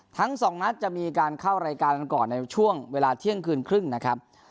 ทั้งสองนัดจะมีการเข้ารายการกันก่อนในช่วงเวลาเที่ยงคืนครึ่งนะครับ